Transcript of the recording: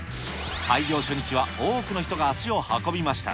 開業初日は多くの人が足を運びました。